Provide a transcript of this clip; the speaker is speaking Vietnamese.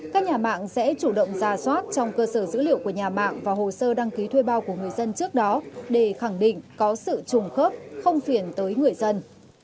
các nhà mạng sẽ chủ động ra soát trong cơ sở dữ liệu của nhà mạng và hồ sơ đăng ký thuê bao của người dân trước đó để khẳng định có sự trùng khớp không phiền tới người dân